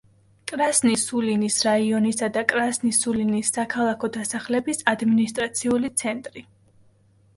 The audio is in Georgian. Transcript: კრასნი-სულინის რაიონისა და კრასნი-სულინის საქალაქო დასახლების ადმინისტრაციული ცენტრი.